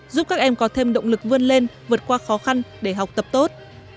giúp các em có thêm động lực vươn lên vượt qua khó khăn để học tập tốt